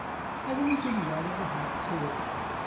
I went into the yard of the house, too."